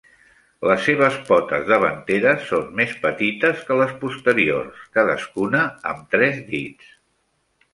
Les seves potes davanteres són més petites que les posteriors, cadascuna amb tres dits.